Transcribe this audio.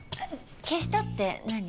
消したって何？